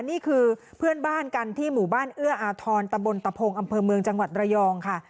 นี่คือเพื่อนบ้านกันที่หมู่บ้านเอื้ออาทรตะบนตะพงอำเภอเมืองจังหวัดระยองค่ะ